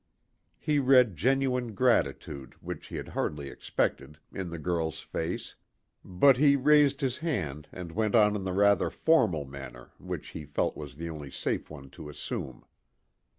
He read genuine gratitude, which he had hardly expected, in the girl's face; but he raised his hand and went on in the rather formal manner which he felt was the only safe one to assume.